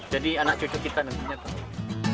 jadi anak cucu kita nantinya tahu